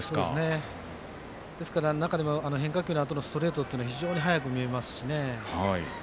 ですから、中でも変化球のあとのストレートっていうのは非常に速く見えますしね。